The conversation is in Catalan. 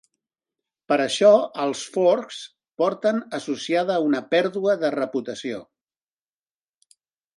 Per això, els "forks" porten associada una pèrdua de reputació.